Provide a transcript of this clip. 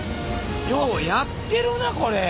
ようやってるなこれ。